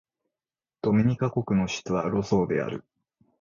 ドミニカ国の首都はロゾーである